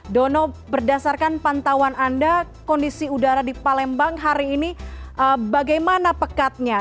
dono berdasarkan pantauan anda kondisi udara di palembang hari ini bagaimana pekatnya